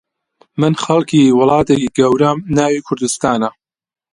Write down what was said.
من خەڵکی وڵاتێکی گەورەم ناوی کوردستانە